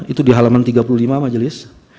itu di halaman tiga puluh lima majelis